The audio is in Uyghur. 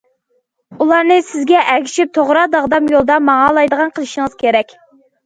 ئۇلارنى سىزگە ئەگىشىپ، توغرا، داغدام يولدا ماڭالايدىغان قىلىشىڭىز كېرەك!